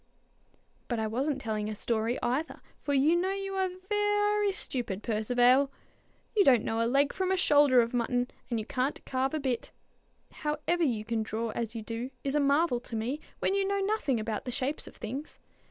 "But I wasn't telling a story, either, for you know you are ve e e ry stupid, Percivale. You don't know a leg from a shoulder of mutton, and you can't carve a bit. How ever you can draw as you do, is a marvel to me, when you know nothing about the shapes of things.